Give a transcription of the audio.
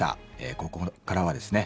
ここからはですね